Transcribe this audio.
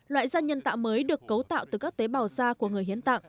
loại da nhân tạo mới được cấu tạo từ các tế bào da của người hiến tạng